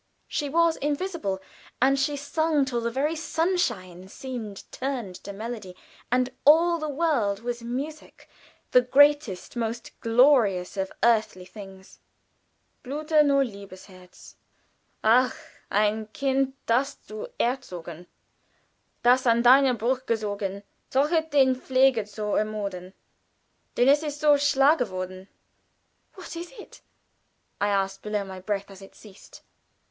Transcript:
She was invisible, and she sung till the very sunshine seemed turned to melody, and all the world was music the greatest, most glorious of earthly things. "Blute nur, liebes Herz! Ach, ein Kind das du erzogen, Das an deiner Brust gesogen, Drohet den Pfleger zu ermorden Denn es ist zur Schlange worden." "What is it?" I asked below my breath, as it ceased.